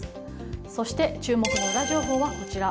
そして注目のウラ情報はこちら。